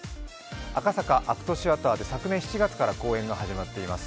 赤坂ＡＣＴシアターで昨年７月から公演が始まっています。